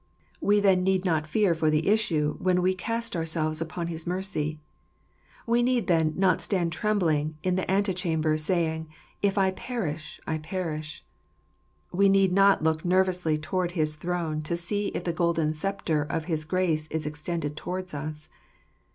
We then need not fear for the issue when we cast ourselves upon his mercy. We then need not stand trembling in the ante chamber, saying, " If I perish, I perish." We need not look nervously towards his throne to see if the golden sceptre of his grace is extended towards us.